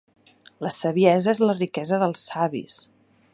La saviesa és la riquesa dels savis.